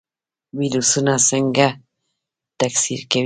ویروسونه څنګه تکثیر کوي؟